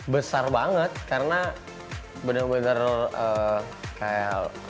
besar banget karena bener bener kayak